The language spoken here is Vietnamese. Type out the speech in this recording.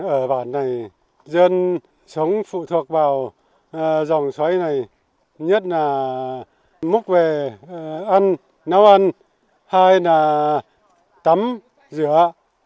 ở bản này dân sống phụ thuộc vào dòng xoáy này nhất là múc về ăn nấu ăn hai là tắm rửa